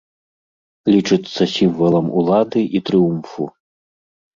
Лічыцца сімвалам улады і трыумфу.